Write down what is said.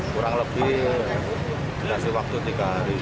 kurang lebih dikasih waktu tiga hari